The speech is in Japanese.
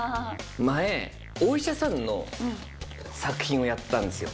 前、お医者さんの作品をやったんですよ。